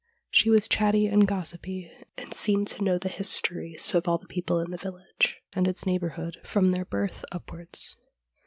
She was chatty and gossipy, and seemed to know the histories of all the people in the village and its neigh bourhood from their birth upwards.